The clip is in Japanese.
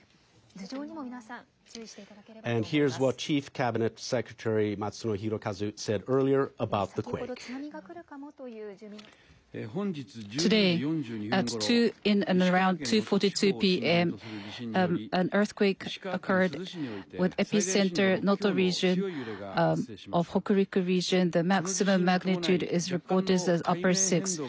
頭上にも皆さん、注意していただければと思います。